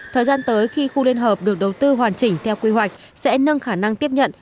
thời gian tới khi khu liên hợp được đầu tư hoàn chỉnh theo quy hoạch sẽ nâng khả năng tiếp nhận